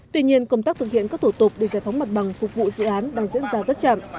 tuy nhiên công tác thực hiện các thủ tục để giải phóng mặt bằng phục vụ dự án đang diễn ra rất chậm